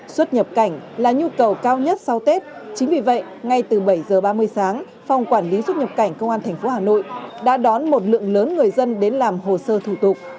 xuất nhập cảnh là nhu cầu cao nhất sau tết chính vì vậy ngay từ bảy h ba mươi sáng phòng quản lý xuất nhập cảnh công an tp hà nội đã đón một lượng lớn người dân đến làm hồ sơ thủ tục